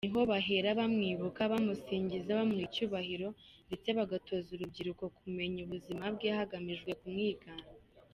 Niho bahera bamwibuka, bamusingiza, bamuha icyubahiro ndetse bagatoza urubyiruko kumenya ubuzima bwe hagamijwe kumwigana.